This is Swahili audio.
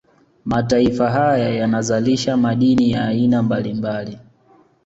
Mataifa haya yanazalisha madini ya aina mbalimbali